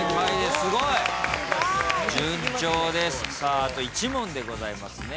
あと１問でございますね。